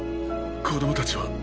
子供たちは？